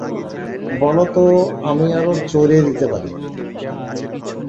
বল তো আমি আরও চড়িয়ে দিতে পারি।